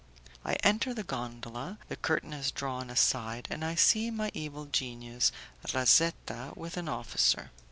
I enter the gondola, the curtain is drawn aside, and I see my evil genius, Razetta, with an officer.